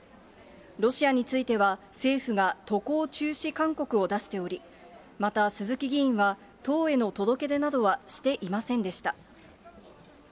ロシアについては政府が渡航中止勧告を出しており、また、鈴木議員は党への届け出などはしていませんでした。